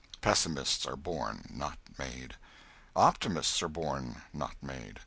Pessimists are born, not made. Optimists are born, not made.